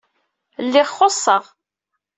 Lliɣ xuṣṣeɣ.